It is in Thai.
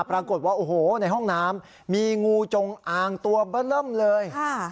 ปรากฏว่าโอ้โหในห้องน้ำมีงูจงอางตัวเบอร์เริ่มเลย